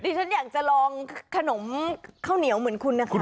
ฉันอยากจะลองขนมข้าวเหนียวเหมือนคุณนะคะ